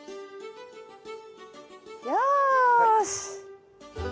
よし！